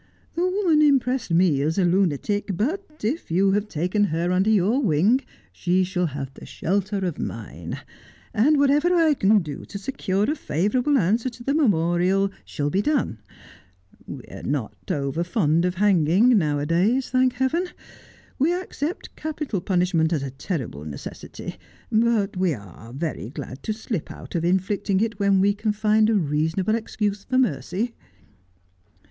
The woman impressed me as a lunatic ; but if you have taken her under your wing she shall have the shelter of mine ; and whatever I can do to secure a favourable answer to the memorial shall be done. We are not over fond of hanging now a days, thank Heaven. We accept capital punishment as a terrible necessity ; but we are very glad to slip out of inflicting it when we can find a reasonable excuse for mercy.'